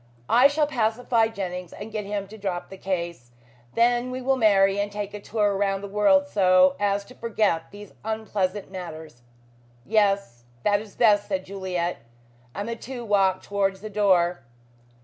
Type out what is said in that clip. I shall pacify Jennings and get him to drop the case. Then we will marry and take a tour round the world so as to forget these unpleasant matters." "Yes, that is best," said Juliet, and the two walked towards the door.